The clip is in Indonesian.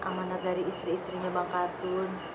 amanat dari istri istrinya bang kartun